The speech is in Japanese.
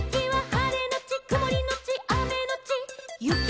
「はれのちくもりのちあめのちゆき」